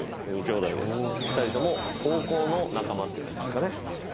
２人とも高校の仲間っていう感じですかね。